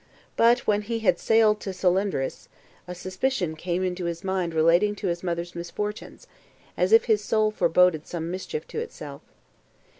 But when he had sailed to Celenderis, a suspicion came into his mind relating to his mother's misfortunes; as if his soul foreboded some mischief to itself.